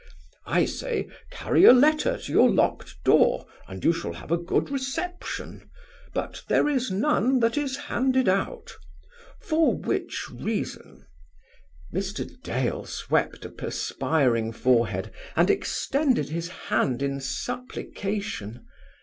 I say, carry a letter to your locked door, and you shall have a good reception: but there is none that is handed out. For which reason ..." Mr. Dale swept a perspiring forehead, and extended his hand in supplication.